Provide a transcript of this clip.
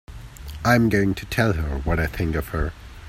I'm going to tell her what I think of her!